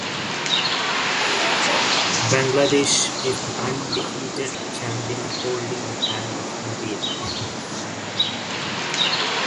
Bangladesh is the undefeated champion holding the hand of Maria.